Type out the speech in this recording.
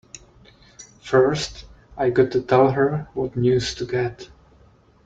First I gotta tell her what news to get!